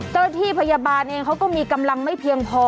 เจ้าหน้าที่พยาบาลเองเขาก็มีกำลังไม่เพียงพอ